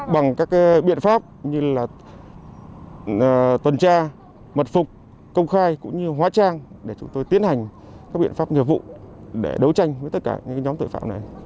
bằng các biện pháp như là tuần tra mật phục công khai cũng như hóa trang để chúng tôi tiến hành các biện pháp nghiệp vụ để đấu tranh với tất cả những nhóm tội phạm này